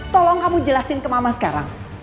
tolong kamu jelasin ke mama sekarang